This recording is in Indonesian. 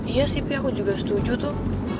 iya sih aku juga setuju tuh